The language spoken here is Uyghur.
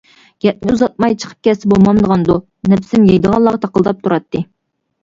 گەپنى ئۇزارتماي چىقىپ كەتسە بولمامدىغاندۇ، نەپىسىم يەيدىغانلارغا تاقىلداپ تۇراتتى.